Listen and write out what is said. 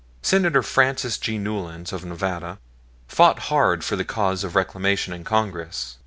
Senator Francis G. Newlands, of Nevada, fought hard for the cause of reclamation in Congress.